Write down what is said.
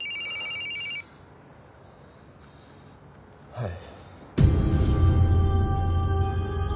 はい。